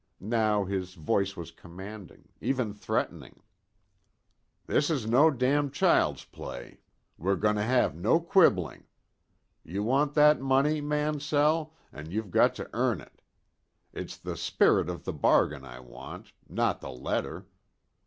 Now his voice was commanding, even threatening. "This is no damned child's play; we're going to have no quibbling. You want that money, Mansell, and you've got to earn it. It's the spirit of the bargain I want, not the letter.